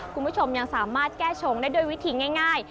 คุณผู้ชมยังสามารถแก้ชงได้ด้วยวิธีง่าย